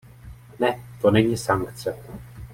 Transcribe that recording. Ne, to není sankce.